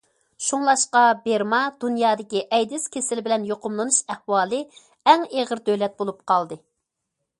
شۇڭلاشقا، بىرما دۇنيادىكى ئەيدىز كېسىلى بىلەن يۇقۇملىنىش ئەھۋالى ئەڭ ئېغىر دۆلەت بولۇپ قالدى.